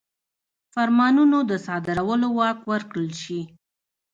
فرمانونو د صادرولو واک ورکړل شي.